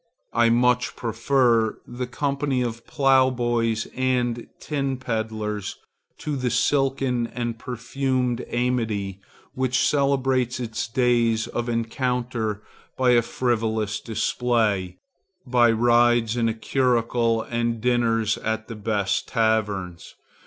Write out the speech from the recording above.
I much prefer the company of ploughboys and tin peddlers to the silken and perfumed amity which celebrates its days of encounter by a frivolous display, by rides in a curricle and dinners at the best taverns.